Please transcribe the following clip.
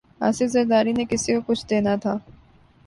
آصف زرداری نے کسی کو کچھ دینا تھا۔